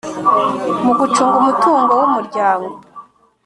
Mu gucunga umutungo w umuryango